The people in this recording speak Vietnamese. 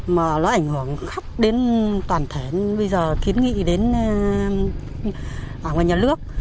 mà nó ảnh hưởng khóc đến toàn thể bây giờ kiến nghị đến ngoài nhà nước